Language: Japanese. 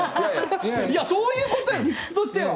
いや、そういうこと、理屈としては。